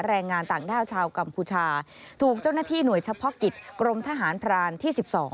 แรงงานต่างด้าวชาวกัมพูชาถูกเจ้าหน้าที่หน่วยเฉพาะกิจกรมทหารพรานที่๑๒